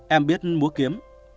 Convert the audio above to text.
em biết mua kiếm